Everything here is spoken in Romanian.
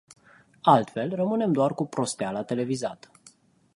Altfel, rămânem doar cu prosteala televizată.